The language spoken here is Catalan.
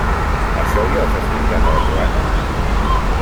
Això li ho has explicat a la Joana?